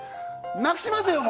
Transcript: なくしますよ